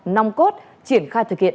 nong cốt triển khai thực hiện